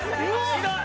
ひどい！